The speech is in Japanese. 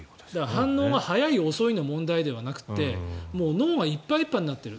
反応が早い遅いの問題ではなくて脳がいっぱいいっぱいになっている。